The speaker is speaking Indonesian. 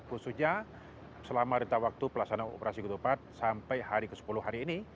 khususnya selama retak waktu pelaksanaan operasi ketupat sampai hari ke sepuluh hari ini